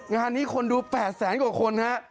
งานนี้คนดู๘แสนกว่าคนฮะ